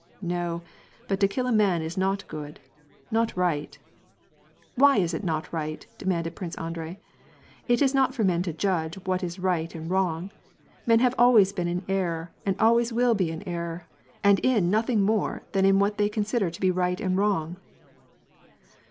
"No, but to kill a man is not good, — not right." "Why is it not right ?" demanded Prince Andrei. "It is not for men to judge what is right and wrong. Men have alwajrs been in error, and always will be in error, and in nothing more than in what they consider to be right and wrong."